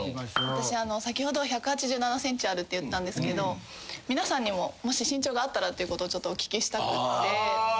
私先ほど。って言ったんですけど皆さんにももし身長があったらということをちょっとお聞きしたくって。